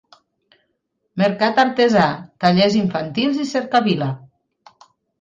Mercat artesà, tallers infantils i cercavila.